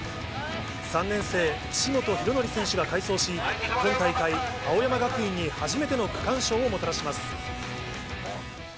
３年生、岸本大紀選手が快走し、今大会、青山学院に初めての区間賞をもたらします。